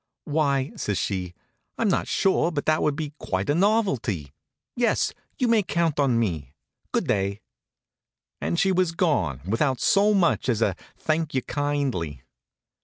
"Why," says she, "I'm not sure but that would be quite a novelty. Yes, you may count on me. Good day," and she was gone without so much as a "thank you kindly."